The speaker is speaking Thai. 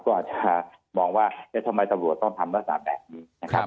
ก็จะบอกว่านี่ทำไมจำหรอกต้องทำรักษาแบบนี้นะครับ